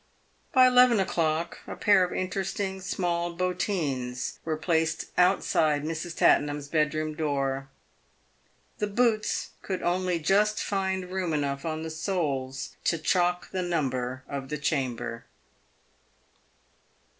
By eleven o'clock, a pair of interesting small hottines were placed outside Mrs. Tattenham's bedroom door. The " Boots" could only just find room enough on the soles to chalk the number of the chamber.